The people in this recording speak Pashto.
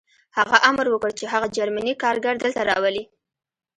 هغه امر وکړ چې هغه جرمنی کارګر دلته راولئ